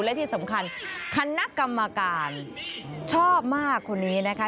และที่สำคัญคณะกรรมการชอบมากคนนี้นะคะ